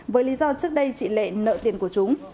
với lý do trước đây chị lệ nợ tiền của chúng